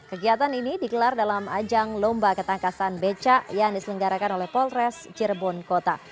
kegiatan ini digelar dalam ajang lomba ketangkasan becak yang diselenggarakan oleh polres cirebon kota